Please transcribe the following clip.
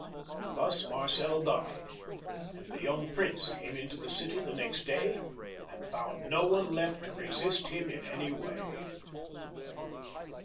Thus Marcel died, and the young prince came into the city the next day, and found no one left to resist him in any way.